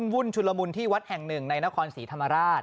วุ่นชุลมุนที่วัดแห่งหนึ่งในนครศรีธรรมราช